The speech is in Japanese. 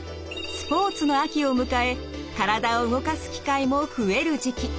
スポーツの秋を迎え体を動かす機会も増える時期。